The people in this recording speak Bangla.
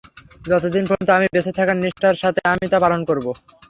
যতদিন পর্যন্ত আমি বেঁচে থাকব নিষ্ঠার সাথে আমি তা পালন করব।